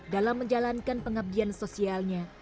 dalam menjalankan pengabdian sosialnya